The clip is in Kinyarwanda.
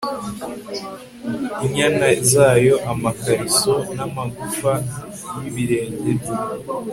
inyana zayo amakariso namagufa yibirenge bye